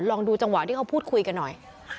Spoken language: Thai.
ลองดูจังหวะที่เขาพูดคุยกันหน่อย